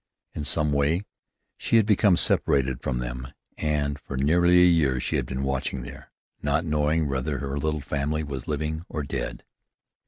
In some way she had become separated from them, and for nearly a year she had been watching there, not knowing whether her little family was living or dead.